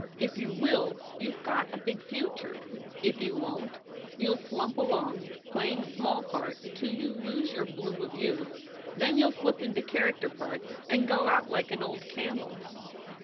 If you will, you ve got a big future. If you won t you ll slump along playing small parts till you lose your bloom of youth, then you ll slip into character parts and go out like an old candle."